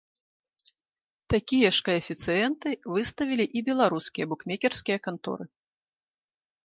Такія ж каэфіцыенты выставілі і беларускія букмекерскія канторы.